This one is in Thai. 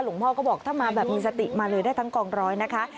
พ่อก็บอกถ้ามาแบบมีสติมาเลยได้ทั้งกองร้อยนะคะ